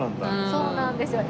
そうなんですよ。